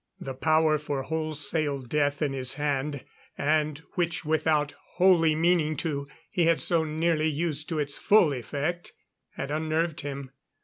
The power for wholesale death in his hand, and which without wholly meaning to, he had so nearly used to its full effect, had unnerved him.